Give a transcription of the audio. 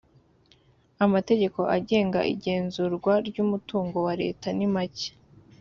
amategeko agenga igenzurwa ry umutungo wa leta nimake.